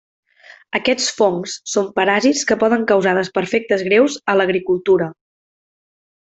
Aquests fongs són paràsits que poden causar desperfectes greus a l'agricultura.